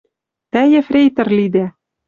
Тӓ ефрейтор лидӓ».